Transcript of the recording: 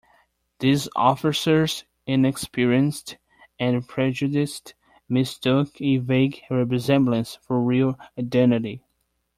These officers, inexperienced and prejudiced, mistook a vague resemblance for real identity.